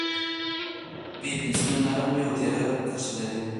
B پنسلونه نرم وي او تېره کرښه لري.